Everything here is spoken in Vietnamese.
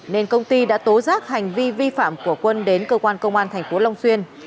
nên công ty đã tố giác hành vi vi phạm của quân đến cơ quan công an tp long xuyên